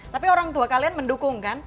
tapi orang tua kalian mendukung kan